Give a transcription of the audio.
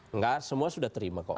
enggak semua sudah terima kok